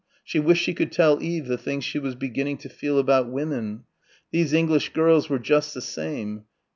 She wished she could tell Eve the things she was beginning to feel about women. These English girls were just the same.